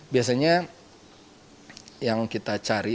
biasanya yang kita cari